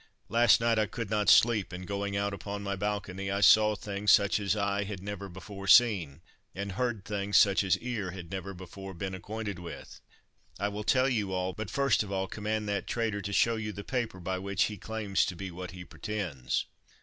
Last night I could not sleep, and, going out upon my balcony, I saw things such as eye had never before seen, and heard things such as ear had never before been acquainted with. I will tell you all, but first of all command that traitor to show you the paper by which he claims to be what he pretends."